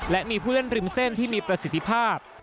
และมีผู้เล่นริมเส้นที่มีประสิทธิภาพ